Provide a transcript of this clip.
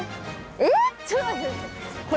えちょっと待って。